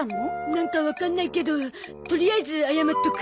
なんかわかんないけどとりあえず謝っとく。